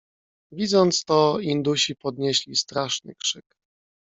"Widząc to, indusi podnieśli straszny krzyk."